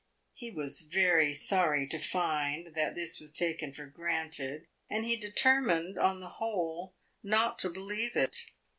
He was very sorry to find that this was taken for granted, and he determined, on the whole, not to believe it.